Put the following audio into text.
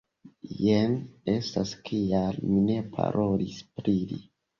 Jen estas kial mi ne parolis pri li.